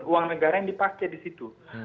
uang negara yang dipakai di situ